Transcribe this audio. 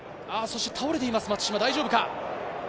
倒れています松島、大丈夫か。